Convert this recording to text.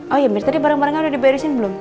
oh iya tadi barang barangnya udah diberesin belum